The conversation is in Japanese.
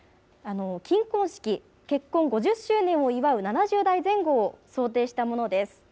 金婚式、結婚５０周年を祝う７０代前後を想定したものです。